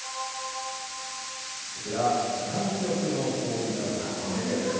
こちら、南極の氷なんですね。